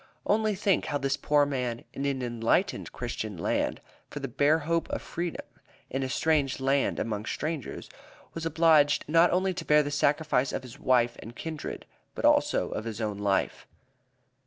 Only think how this poor man, in an enlightened Christian land, for the bare hope of freedom, in a strange land amongst strangers, was obliged not only to bear the sacrifice of his wife and kindred, but also of his own life.